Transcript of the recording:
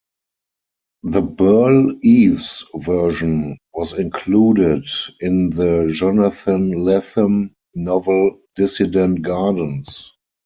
The Burl Ives version was included in the Jonathan Lethem novel "Dissident Gardens".